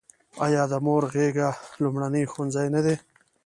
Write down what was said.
آیا د مور غیږه لومړنی ښوونځی نه دی؟